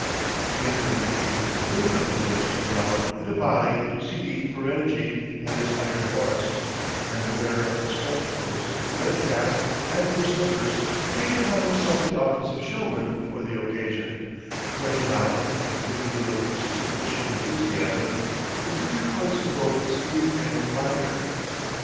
Later in the evening the women of the village come round in a body to see the Ferenghi and his iron horse, and the wearer of the spectacles, the red cap, and blue slippers, takes upon himself the office of showman for the occasion; pointing out, with a good deal of superficial enthusiasm, the peculiar points of both steed and rider.